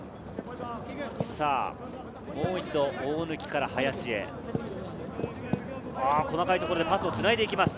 もう一度、大貫から林へ細かいところでパスをつないでいきます